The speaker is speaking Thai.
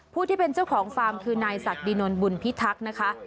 ผู้ที่เป็นเจ้าของฟาร์มคือนายศักดินนลบุญพิทักษ์นะคะ